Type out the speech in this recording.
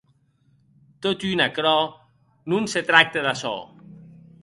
Totun aquerò, non se tracte d'açò.